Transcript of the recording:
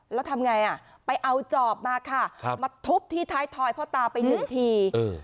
แล้วทำไงอ่ะไปเอาจอบมาค่ะมาทุบที่ท้ายทอยพ่อตาไปหนึ่งที